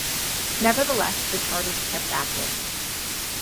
Nevertheless, the charter was kept active.